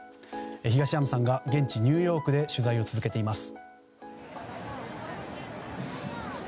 東山さんが、現地ニューヨークで取材を続けています。